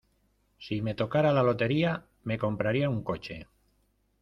Si me tocara la lotería, me compraría un coche.